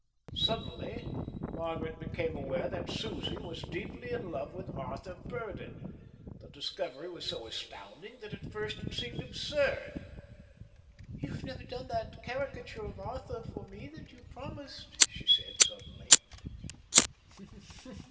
Suddenly Margaret became aware that Susie was deeply in love with Arthur Burdon. The discovery was so astounding that at first it seemed absurd. "You've never done that caricature of Arthur for me that you promised," she said, suddenly.